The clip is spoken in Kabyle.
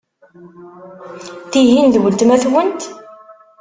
Tihin d weltma-twent?